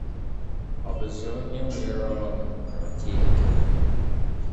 Ọ bụzị onye were ọnụ rịọta ekele